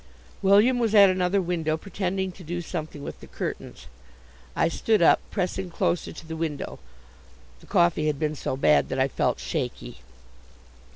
William was at another window, pretending to do something with the curtains. I stood up, pressing closer to the window. The coffee had been so bad that I felt shaky.